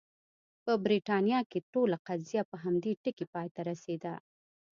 په برېټانیا کې ټوله قضیه په همدې ټکي پای ته رسېده.